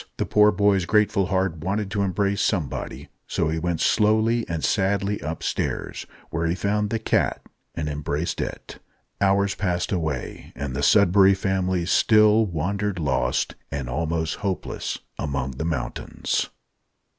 The poor boy's grateful heart wanted to embrace somebody; so he went slowly and sadly upstairs, where he found the cat, and embraced it. Hours passed away, and the Sudberry Family still wandered lost, and almost hopeless, among the mountains.